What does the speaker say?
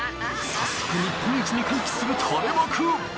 早速日本一に歓喜する垂れ幕！